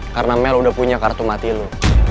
karena mel udah punya kartu mati lu